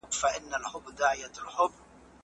موټرونه له وسلوالو ځوانانو ډک وو، چي د کابل په